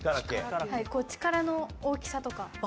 力の大きさとか。